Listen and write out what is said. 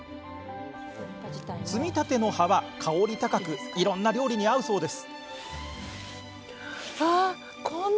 摘みたての葉は、香り高くいろんな料理に合うそうです。